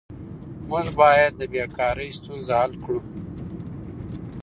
موږ باید د بیکارۍ ستونزه حل کړو.